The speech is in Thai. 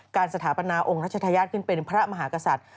สถาปนาองค์รัชธาญาติขึ้นเป็นพระมหากษัตริย์